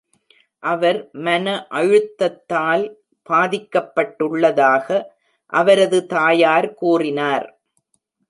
அவர் மன அழுத்தத்தால் பாதிக்கப்பட்டுள்ளதாக அவரது தாயார் கூறினார்.